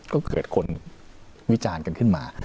ก็เกิดคนวิจารณ์กันขึ้นมา